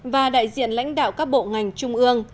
và đại diện lãnh đạo các bộ ngành trung ương